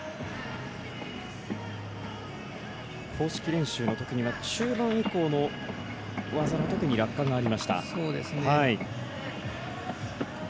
公式練習のときには中盤以降の技のときに落下がありました。